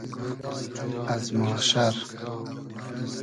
از ماشئر